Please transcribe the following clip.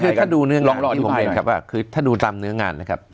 คือถ้าดูเนื้อร้องที่ผมเรียนครับว่าคือถ้าดูตามเนื้องานนะครับ